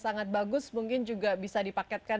sangat bagus mungkin juga bisa dipaketkan